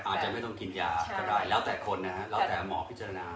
อาจจะไม่ต้องกินยาก็ได้แล้วแต่คนนะฮะแล้วแต่หมอพิจารณา